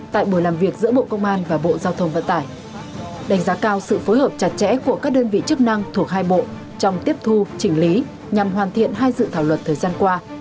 tại buổi làm việc giữa bộ công an và bộ giao thông vận tải đánh giá cao sự phối hợp chặt chẽ của các đơn vị chức năng thuộc hai bộ trong tiếp thu chỉnh lý nhằm hoàn thiện hai dự thảo luật thời gian qua